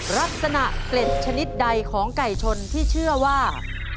ลักษณะเกล็ดชนิดใดของไก่ชนที่เชื่อว่า